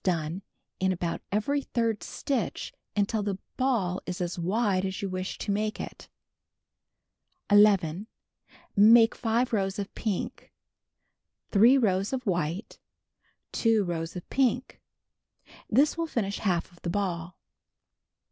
The Magic Paper 253 done in about every third stitch until the ball is as wide as you wish to make it. 11. Make 5 rows of pink. 3 rows of white. 2 rows of pink. This will finish half of the ball.